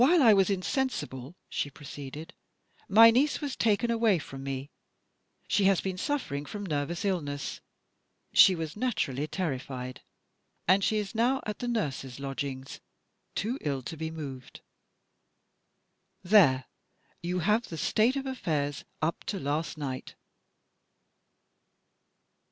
"While I was insensible," she proceeded, "my niece was taken away from me. She has been suffering from nervous illness; she was naturally terrified and she is now at the nurse's lodgings, too ill to be moved. There you have the state of affairs, up to last night."